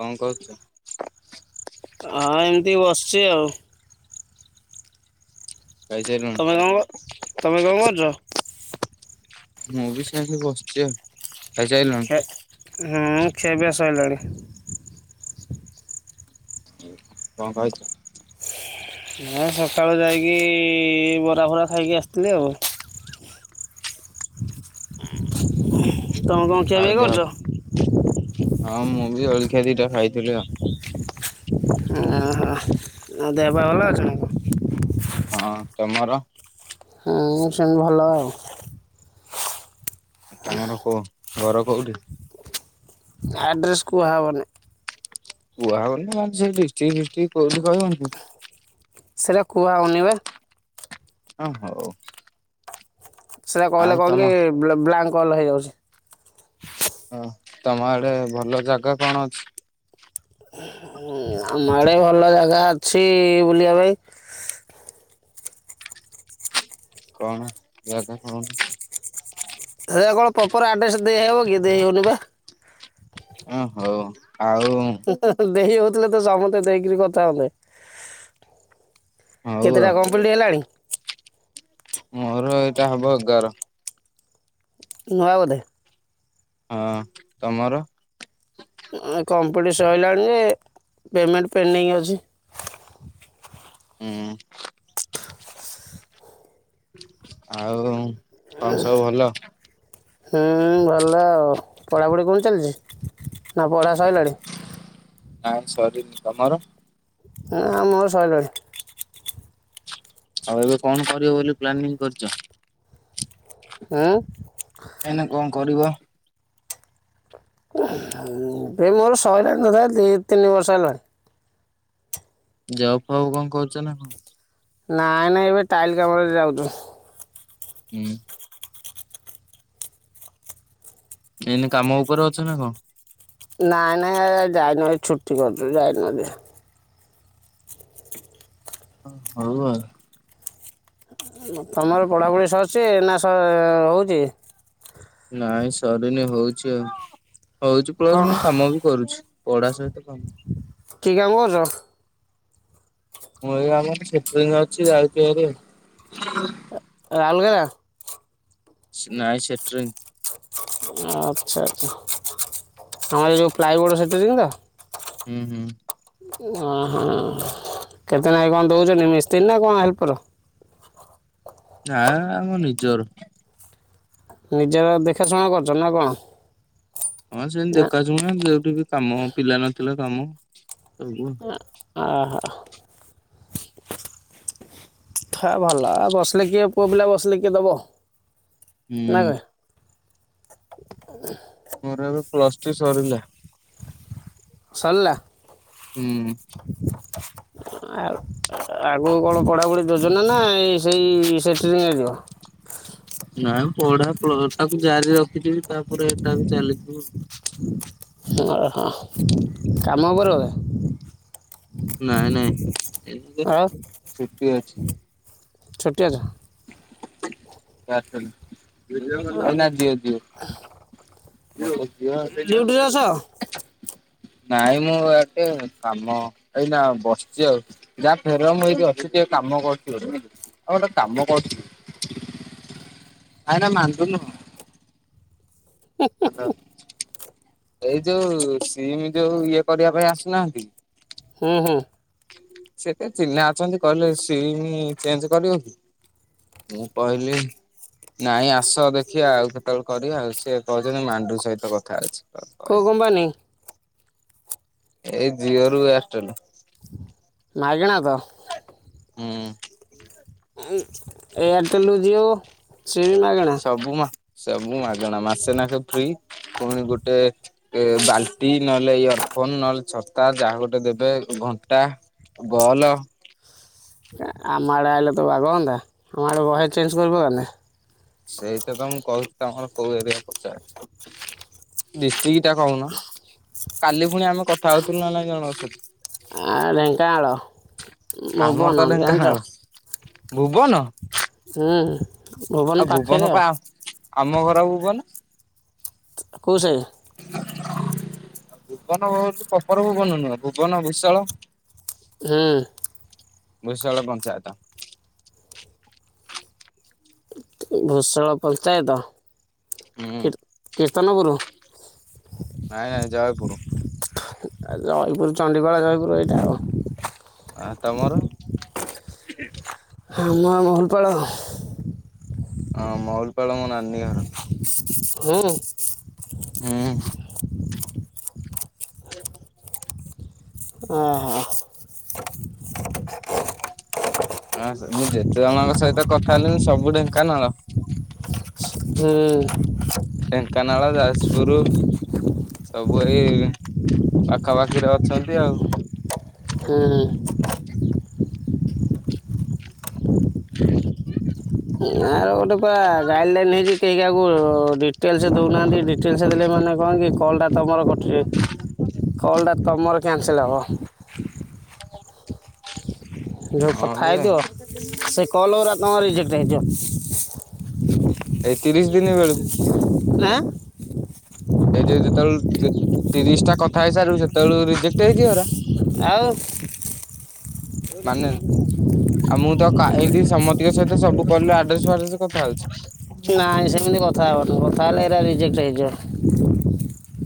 କଣ କରୁଛୁ? ହଁ ଏମିତି ବସିଛି ଆଉ ଖାଇସାରିଲଣି ତମେ କଣ ତମେ କଣ କରୁଚ? ମୁଁ ବି ସେମିତି ବସିଛି ଆଉ ଖାଇସାରିଲଣି ଖେ ହିଁ ଖିଆ ପିଆ ଶୋଇଲାଣି। କଣ ଖାଇଚ? ଆ ସକାଳୁ ଯାଇକି ବରା ଫରା ଖାଇକି ଆସିଥିଲି ଆଉ ତମେ କଣ ଖିଆ ଆଉ ପିଆ ଦେହ କରିଚ। ହଁ ମୁଁ ବି ଅଳଖିଆ ଦିଟା ଖାଇଥିଲି ଆଉ ଓ ହୋ ଦେହ ପା ଭଲ ଅଛି ନା। ହଁ ତମର ହୁଁ ସେମତି ଭଲ ଆଉ। ତମର କୋଉ ଘର କୋଉଠି? ଆଡ୍ରେସ୍ କୁହା ହବନି। କୁହା ହବନି ନା ସେ ଡିଷ୍ଟିକ୍ ଫିଷ୍ଟିକ କଉଠି କହିବନି। ସେଟା କୁହାହଉନି ବା। ଓ ହଉ। ସେଟା ଆଉ କହିଲେ କଣ ତମ କି ବ୍ଲାଙ୍କ୍ କଲ ହେଇଯାଉଛି। ଓ ତମ ଆଡେ ଭଲ ଜାଗା କଣ ଅଛି? ଆମ ଆଡେ ଭଲ ଜାଗା ଅଛି ବୁଲିବା ପାଇଁ କଣ ଯାଗା କଣ? ସେ କଣ ପ୍ରପର ଆଡ୍ରେସ ଦେଇହବ କି ଦେଇହଉନି ପା। ହଁ ହଉ ଆଉ ଦେହି ହଉଥିଲେ ତ ସମସ୍ତେ ଦେଇକିରି କଥା ହନ୍ତେ। ହଉ ଆଉ କେତେଟା କମ୍ପ୍ଲିଟ ହେଲାଣି? ମୋର ଏଇଟା ହବ ଏଗାର। ନୁଆ ବଧେ। ହଁ ତମର? କମ୍ପିଟି ସରିଲାଣି ଯେ ପେମେଣ୍ଟ ପେଣ୍ଡିଙ୍ଗ ଅଛି। ହୁଁ। ଆଉ କଣ ସବୁ ଭଲ? ହୁଁ ଭଲ ଆଉ ପଢ଼ାପଢ଼ି କଣ ଚାଲିଛି ନା ପଢ଼ା ସଇଲାଣି? ନାଇଁ ସରିନି। ତମର? ଆ ମୋର ସଇଲାନି। ଆଉ ଏବେ କଣ କରିବ ବୋଲି ପ୍ଲାନିଂ କରିଛ? ଏଇନା କଣ କରିବ? ଏ ମୋର ସଇଲାନି ନଏ ଦି ତିନି ବର୍ଷ ହେଲାଣି। ଜବ୍ ଫବ୍ କଣ କରୁଛ ନା କଣ? ନାଇଁ ନାଇଁ ଏବେ ଟାଇଲ୍ କାମେରେ ଯାଉଛୁ। ଉଁ। ଏଇନେ କାମ ଉପରେ ଅଛ ନା କଣ? ନାଇଁ ନାଇଁ ଆଜି ଯାଇନି ଭାଇ ଛୁଟି କରିଥିଲି। ଯାଇନି ଆଜି। ହଉ ଆଉ। ତମର ପଢାପଢ଼ି ସରିଛି ନା ସ? ନାଇଁ ସରିନି ହଉଛି ଆଉ। କ'ଣ ପଢା ସହିତ କାମ। [unintelligible] ମୁଁ ଏଇ ଆମ ସେଟରିଙ୍ଗ ଅଛି ଆଇଚି ହାରି। ରାଉଲକେଲା। ନାଇଁ ସେଟ୍ରୀଙ୍ଗ୍। ଆଛା ଆଛା ଆଉ ଯୋଉଁ ଫ୍ଲାଇ ବୋର୍ଡ଼ ସେଟ୍ରୀଙ୍ଗ୍ ତ? ହୁଁ ହୁଁ। ଓହୋ କେତେ ନାକେ କଣ ଦଉଛନ୍ତି। ମିସ୍ତ୍ରୀ ନା କଣ ହେଲ୍ପର? ଆଁ ଆମ ନିଜର। ନିଜର ଦେଖାଶୁଣା କରୁଛ ନା କଣ? ହଁ ସେମିତି ନା ଦେଖାସୁଣା ଯଉଠିକି କାମ ପିଲା ନଥିଲା କାମ ସବୁ ଓହୋ। ଭଲ ବସିଲେ କିଏ ପୁଅ ପିଲା ବସିଲେ କିଏ ଦବ। ହୁଁ। ମୋର ଏବେ ପ୍ଲସ ଥ୍ରି ସରିଲା। ସରିଲା। ହୁଁ ଆଉ [inaudible] ଆଗକୁ କଣ ପଢାପଢି ଯୋଜନା ନା ଏ ସେଇ ସେଟରିଂ ଯିବ ନାଇ ପଢା ଟାକୁ ଜାରି ରଖିଥିବି ତାପରେ ଏଇଟା ବି ଚାଲିଥିବୁ ଆ ହ ହଁ କାମ କରିବ? ନାଇଁ ନାଇଁ ଏଇନେ ଆଉ ଛୁଟି ଅଛି [inaudible] ଛୋଟିଆ ଐରଟେଲ ନା ଜିଓ ଜିଓ। ଡ୍ୟୁଟିରେ ଅଛ [unintelligible] ନାଇଁ ମୁଁ ଏଟେ କାମ ଏଇନା ବସିଛି ଆଉ ଯାହା ଫେର ମୁଁ ଏଇଠି ଅଛି। କାମ କରୁଥିବ ଆଉ ଗୋଟେ କାମ କରୁଥିଲ ଆଇନା [inaudible] ହାଲୋ [inaudible] ଏଇ ଯୋଉଁ ସିମ ଯୋଉଁ ଇଏ କରିବା ପାଇଁ ଆସୁନାହାନ୍ତି ହୁଁ ହୁଁ। ସେତ ଚିହ୍ନା ଅଛନ୍ତି କହିଲେ ସିମ ଚେଞ୍ଜ କରିବେ କି ମୁଁ କହିଲି ନାଇଁ ଆସ ଦେଖିବା ଆଉ କେତେବେଳେ କରିବା ଆଉ ସିଏ କହୁଛନ୍ତି ମାଣ୍ଡୁ ସହିତ କଥା ହଉଚି [inaudible] କୋଉ କମ୍ପାନୀ? ଏଇ ଜିଓ ରୁ ଐରଟେଲ। ମାଗେଣା ତ? ହୁଁ। ଏୟାରଟେଲୁ ଜିଓ ସିମ୍ ମାଗଣା। ହୁଁ ମାଗଣା ମାସେ ନାସେ ଫ୍ରି ପୁଣି ଗୋଟେ ବାଲ୍ଟି ନହେଲେ ଇୟରଫୋନ ନହଲେ ଛତା ଯାହା ଗୋଟେ ଦେବେ ଘଣ୍ଟା ବଲ ଆମ ଆଡ଼େ ଆଇଲେ ତ ବାଗ ହନ୍ତା ଆମ ଆଡ଼େ ବହେ ଚେଞ୍ଜ କରିପକାନ୍ତେ। ସେଇଟା ତ ମୁଁ କହୁଛି ତମର କୋଉଁ ଏରିଆ ପଚାରୁଛି। ଡିଷ୍ଟି ଟା କହୁନ କାଲି ପୁଣି ଆମେ କଥା ହଉଥିଲୁ ନା ନାଇଁ ଜଣଙ୍କ ସହିତ ଆ ଢେଙ୍କାନାଳ ଆମର ତ ଭୁବନ ଢେଙ୍କାନାଳ ଜାଣିଛ ଭୁବନ। ହୁଁ। ଆଉ ପାଖରେ ଭୁବନ ଆଉ ଆମ ଘର ଭୁବନ। କୋଉ ସାହି, ଭୁବନ କ ପପର ଭୁବନ ନୁହଁ ଭୁବନ ବିଶାଳ ଏ ଏ ଭୁଷଳ ପଞ୍ଚାୟତ। ଭୁଷଳ ପଞ୍ଚାୟତ ଉଁ କୀର୍ତ୍ତନପୁରୁ ନାଇଁ ନାଇଁ ଯୟପୁରୁ ଜୟପୁର ଚଣ୍ଡିପାଳ ଜୟପୁର ଏଇଟା ଆଉ ଆ ତମର ହଁ ମୁଁ ଆ ମହୁଲପାଳ। ହଁ ମହୁଲପାଳ ମୋ ନାନୀ ଘର। ହୁଁ ହୁଁ ସେ [inaudible] ଓ ହୋ, [unintelligible] ହ ମୁଁ ଯେତେ ଜଣଙ୍କ ସହିତ କଥା ହେଲି ମୁ ସବୁ ଢେଙ୍କାନାଳ। ହୁଁ, ଢ଼େଙ୍କାନାଳ ଯାଯପୁରୁ। ସବୁ ଏଇ ପାଖାପାଖିରେ ଅଛନ୍ତି ଆଉ। ହୁଁ। ଗୋଟେ ପା ଗାଇଡ ଲାଇନ ହେଇଛି କେହି କାହାକୁ ଡିଟେଲସ ଦଉନାହାନ୍ତି ଡିଟେଲସ ଦେଲେ ମାନେ କଣକି କି କଲ୍ଟା ତୁମର କଟୁଛି କଲ୍ଟା ତୁମର କ୍ୟାନସେଲ ହେବ। ଯେଉଁ ହଁ କଥା ଯେ ହେଇଥିବ ସେ କଲ୍ ଗୁରା ତମ ରିଜେକ୍ଟ ହେଇଯିବ। ଏଇ ତିରିଶ ଦିନ ବେଳକୁ। ଆଁ। ଏଇ ଯେଉ ଯେତେବେଳଳେ ତିରିଶ ଟା କଥା ହେଇସାରିବୁ ସେତେବେଳୁ ରିଜେକ୍ଟ ହେଇଯିବ ହେରା। ଆଉ। ମାନେ ଆଉ ମୁଁ ତ କାହିଁକି ସମସ୍ତ ଟିକ ସହିତ ସବୁ କଲେୁ ଆଡ୍ରେସ ଫାଡ୍ରେସ କଥା ହଉଛି ନାଇଁ ସେମିତି କଥା ହେବନି କଥା ହେଲେ ଏଇରା ରିଜେକ୍ଟ ହେଇଯିବ।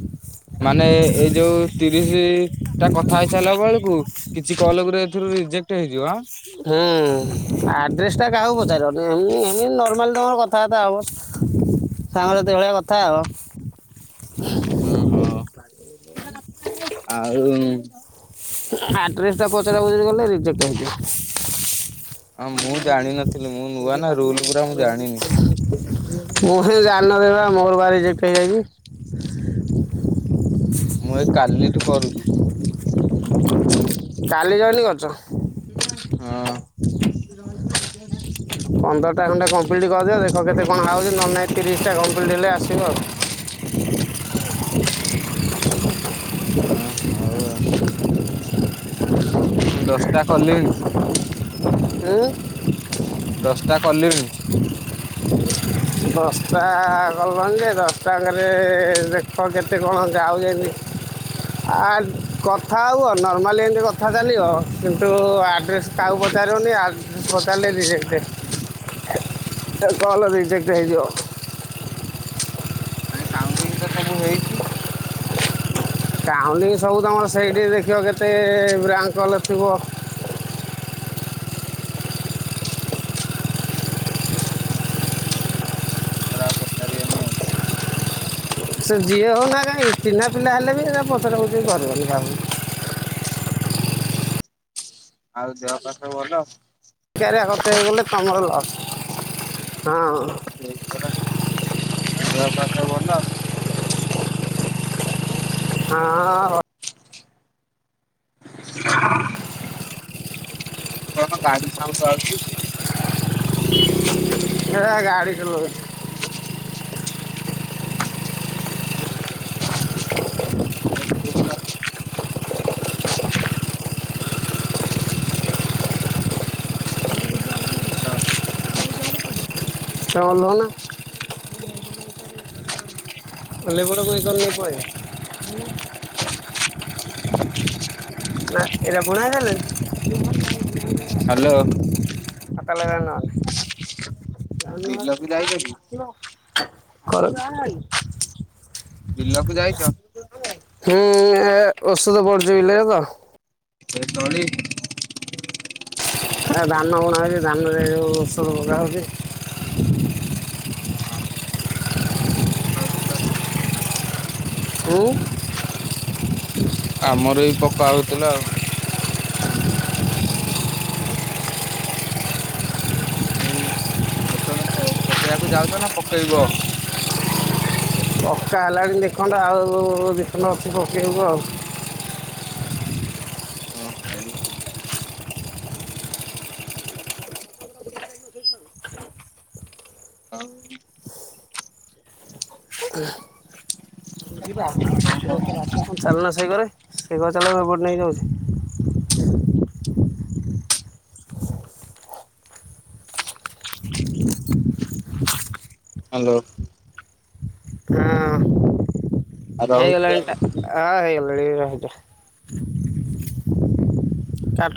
ମାନେ ଏଇ ଯୋଉ ତିରିଶ ଟା କଥା ହେଇସାରିଲା ବେଳକୁ କିଛି କଲଗୁରେ ଏଥିରୁ ରିଜେକ୍ଟ ହେଇଯିବ ଆଁ। ହୁଁ ଆଡ୍ରେସ ଟା କାହାକୁ ପଚାରିବନ ଏମିତି ନର୍ମାଲି ତମର କଥାବାର୍ତ୍ତା ହବ। ସାଙ୍ଗ ସାଥୀ ଭଳିଆ କଥା ଆଉ। ଓ ହୋ ଆଉ। ଆଡ଼୍ରେସଟା ପଚରା ପୁଚୁରି କଲେ ରିଜେକ୍ଟ ହେଇଯିବ। ଆ ମୁଁ [unintelligible] ଜାଣିନଥିଲି ମୁଁ ନୂଆ ନା ରୁଲ ପୁରା ମୁଁ ଜାଣିନି ମୁଁ ବି ଜାଣିନଥିଲି ପା ମୋର ପା ରିଜେକ୍ଟ୍ ହେ ଯାଇଛି। ମୁଁ ଏ କାଲିଠୁ କରୁଚି। କାଲି ଜଇନି କରିଚ। ହଁ। ପନ୍ଦରଟା ଖଣ୍ଡେ କମ୍ପ୍ଲିଟ୍ କରିଦିଅ ଦେଖ କେତେ କଣ ଆଉଚି ନହେଲେ ନାଇଁ ତିରିଶଟା କମ୍ପ୍ଲିଟ୍ ହେଲେ ଆସିବ ଆଉ। [unintelligible] ହଁ ହଉ ଆଉ। ମୁଁ ଦଶଟା କଲିଣିି। ଉଁ। ଦଶଟା କଲିଣି। ଦଶଟା କଲଣି ଯେ ଦଶଟାକେରେ ଦେଖ କେତେ କଣ ଯାଉଛନ୍ତି। ଆ କଥା ହେବ ନର୍ମାଲି ଏମିତି କଥା ଚାଲିବ କିନ୍ତୁ ଆଡ଼୍ରେସ୍ କାହାକୁ ପଚାରିବନି ଆଡ୍ରେସ୍ ପଚାରିଲେ ରିଜେକ୍ଟ କଲ ରିଜେ ହେଇଯିବ ନାଇଁ କାଉଣ୍ଟିଙ୍ଗ ତ ସବୁ ହେଇଛି। କାଉଣ୍ଟିଙ୍ଗ ସବୁ ତମର ସେଇଠି ଦେଖିବ କେତେ ବ୍ରାଙ୍କ କଲ୍ ଥିବ। ଖରାପ ପଚାରିବା ନି ଆଉ। ସେ ଯିଏ ହେଉନା କାହିଁକି ଚିହ୍ନା ପିଲା ହେଲେ ବି ଆର ପଚରା ପୁଚୁରି କରିବନି କାହାକୁ। ଆଉ ଦେହ ପା ସବୁ ଭଲ? ବେକାରୀଆ କଥା ହେଇଗଲେ ତମର ଲସ୍ ହଁ। ସେଇ ପରା ଆଉ ଦେହ ପା ସବୁ ଭଲ? ହଁ ଭ କଣ ଗାଡ଼ି ସାଉଣ୍ଡ ଆଉଚି? ଏରା ଗାଡି ଚଲଉଛି। ହ୍ୟାଲୋ ତମେ ଓଲ୍ହୋଉନ ଓହ୍ଲେଇ ପଡ଼ ମୁଁ ଏଇ କରେ ନେଇ ପଲେଇବି। ନା ଏରା ବୁଣା ହେଇଥିଲା କି? ହ୍ୟାଲୋ। ଆ ତାହାଲେ ଏରା ନବାନି। ବିଲକୁ ଯାଇଛ କି କର ବିଲ କୁୁ ଯାଇଛ? ହୁଁ ଔଷଧ ପଡ଼ୁଚି ବିଲରେ ତ। ତଳି? ଧାନ ବୁଣା ହେଉଛି ଧାନରେ ଔଷଧ ପକା ହଉଛି। ହଁ। ହୁଁ। ଆମର ବି ପକା ହଉଥିଲା ଆଉ। ଔଷଧ ପ ପକେଇବାକୁ ଯାଉଛ ନା ପକେଇବ? ପକା ହେଲାଣି ଦି ଖଣ୍ଡ ଆଉ ଦି ଖଣ୍ଡ ଅଛି ପକେଇବାକୁ ଆଉ। ଅହ। ଚାଲନା ସେଇ କରେ ସେଇ କରେ ଚାଲ। ମୁଁ ସେପଟେ ନେଇ ଯାଉଛି। ହ୍ୟାଲୋ। ହଁ ଆଉ ରହୁଛି ହେଇଗଲାଣି ଆଉ ଟା ଆ ହେଇଗଲା। ସରିଗଲା ହେଇଟା। କଟ